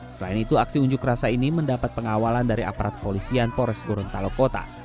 selain itu aksi unjuk rasa ini mendapat pengawalan dari aparat polisian pores gorontalo kota